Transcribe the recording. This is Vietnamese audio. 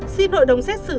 xin hội đồng xét xử